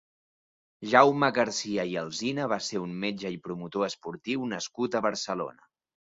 Jaume Garcia i Alsina va ser un metge i promotor esportiu nascut a Barcelona.